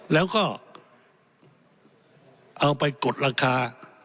แล้วก็เอาไปกดราคา